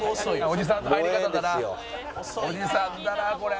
「おじさんだなこれ」